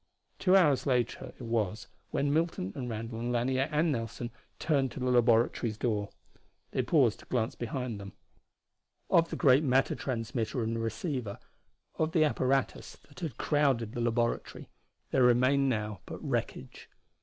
Two hours later it was when Milton and Randall and Lanier and Nelson turned to the laboratory's door. They paused to glance behind them. Of the great matter transmitter and receiver, of the apparatus that had crowded the laboratory, there remained now but wreckage.